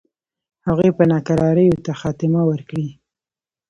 هغوی به ناکراریو ته خاتمه ورکړي.